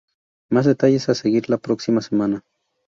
Más detalles a seguir la próxima semana".